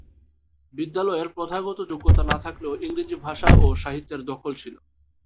বিশ্ববিদ্যালয়ের প্রথাগত যোগ্যতা না থাকলেও ইংরেজি ভাষা ও সাহিত্যের দখল ছিল।